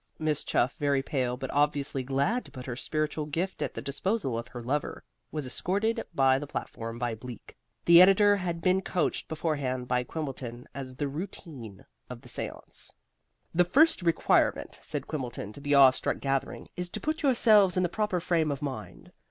Miss Chuff, very pale, but obviously glad to put her spiritual gift at the disposal of her lover, was escorted to the platform by Bleak. The editor had been coached beforehand by Quimbleton as to the routine of the seance. "The first requirement," said Quimbleton to the awe struck gathering, "is to put yourselves in the proper frame of mind.